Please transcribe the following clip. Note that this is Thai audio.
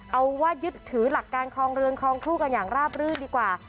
เอาว่ายึดถือหลักการครองเรือนครองคู่กันอย่างราบรื่นดีกว่า